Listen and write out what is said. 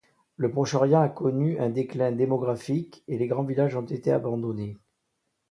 Le Proche-Orient a connu un déclin démographique et les grands villages ont été abandonnés.